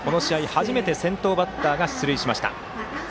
初めて先頭バッターが出塁しました。